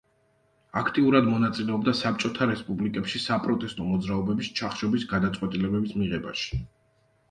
აქტიურად მონაწილეობდა საბჭოთა რესპუბლიკებში საპროტესტო მოძრაობების ჩახშობის გადაწყვეტილებების მიღებაში.